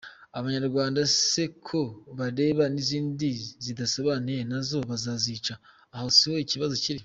Abanyarwanda se ko bareba n’izindi zidasobanuye, nazo bazazica? Aho siho ikibazo kiri.